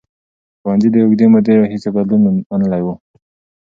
ښوونځي د اوږدې مودې راهیسې بدلون منلی و.